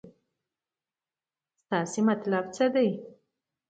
ستاسې مطلب څه دی.